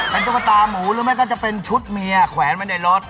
เป็นตุ๊กตาหมูหรือไม่ก็จะเป็นชุดเมียแขวนไว้ในรถ